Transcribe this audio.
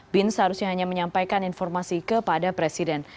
bin seharusnya hanya menyampaikan informasi kepada presiden